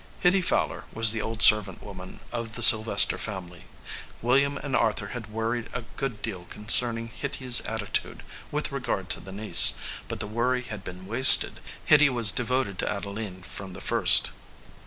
Hitty Fowler was the old servant woman of the Sylvester family. William and Arthur had wor ried a good deal concerning Hitty s attitude with regard to the niece, but the worry had been wasted. Hitty was devoted to Adeline from the first.